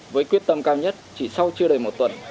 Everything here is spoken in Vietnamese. với quyết tâm cao nhất chỉ sau chưa đầy một tuần